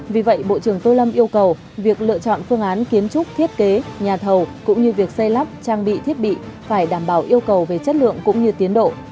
vì vậy bộ trưởng tô lâm yêu cầu việc lựa chọn phương án kiến trúc thiết kế nhà thầu cũng như việc xây lắp trang bị thiết bị phải đảm bảo yêu cầu về chất lượng cũng như tiến độ